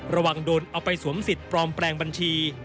ระหว่างโดนเอาไปสวมศิษย์ปรอมแปลงบัญชี